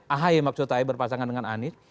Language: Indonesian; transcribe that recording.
ahy maksud saya berpasangan dengan anies